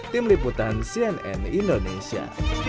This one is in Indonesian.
tim liputan cnn indonesia